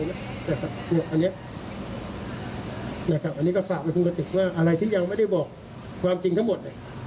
อันนี้ก็ฝากไว้คุณกะติกว่าอะไรที่ยังไม่ได้บอกความจริงทั้งหมด